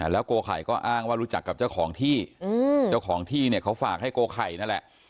โกไข่ก็อ้างว่ารู้จักกับเจ้าของที่เจ้าของที่เนี่ยเขาฝากให้โกไข่นั่นแหละ